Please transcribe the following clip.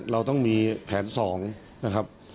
เราต้องมีแผน๒นะครับ